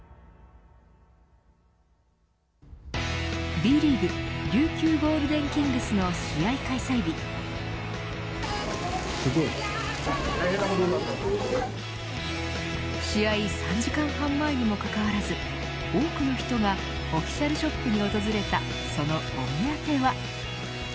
Ｂリーグ琉球ゴールデンキングスの試合開催日試合３時間半前にもかかわらず多くの人がオフィシャルショップに訪れたそのお目当ては。